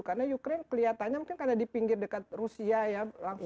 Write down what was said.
karena ukraine kelihatannya mungkin karena di pinggir dekat rusia ya